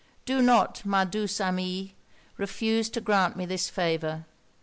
Do not, ma douce amie, refuse to grant me this favour.